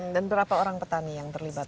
dan berapa orang petani yang terlibat